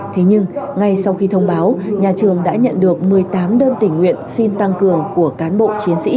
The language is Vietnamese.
thế nhưng ngay sau khi thông báo nhà trường đã nhận được một mươi tám đơn tình nguyện xin tăng cường của cán bộ chiến sĩ